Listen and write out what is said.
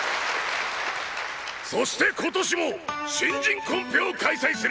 そして今年も新人コンペを開催する！